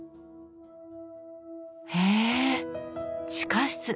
へえ地下室！